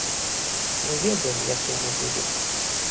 Мы ведам, як яно будзе.